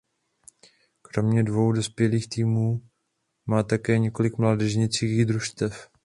Kromě dvou dospělých týmů má také několik mládežnických družstev.